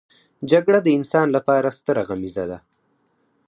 جګړه د انسان لپاره ستره غميزه ده